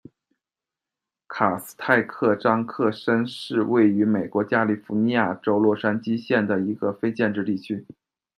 卡斯泰克章克申是位于美国加利福尼亚州洛杉矶县的一个非建制地区。